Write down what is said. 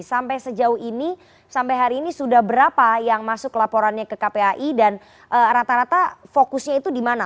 sampai sejauh ini sampai hari ini sudah berapa yang masuk laporannya ke kpai dan rata rata fokusnya itu di mana